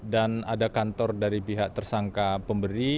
dan ada kantor dari pihak tersangka pemberi